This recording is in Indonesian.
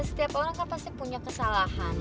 setiap orang kan pasti punya kesalahan